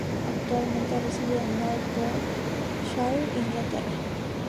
Actualmente reside en North Yorkshire, Inglaterra.